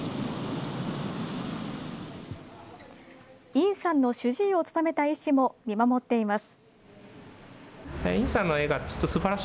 尹さんの主治医を務めた医師も見守っています。